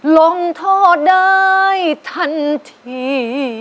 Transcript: ลองทอได้ทันที